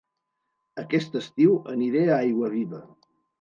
Aquest estiu aniré a Aiguaviva